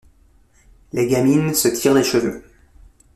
les gamines se tirent les cheveux